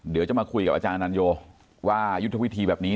เดี๋ยวจะมาคุยกับอาจารย์นันโยว่ายุทธวิธีแบบนี้